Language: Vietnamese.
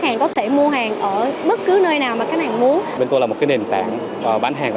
hàng có thể mua hàng ở bất cứ nơi nào mà các bạn muốn bên tôi là một cái nền tảng bán hàng có